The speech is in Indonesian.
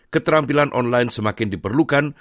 keterampilan online semakin diperlukan